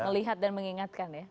kita lihat dan mengingatkan ya